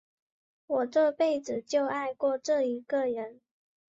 我这辈子就爱过这一个人。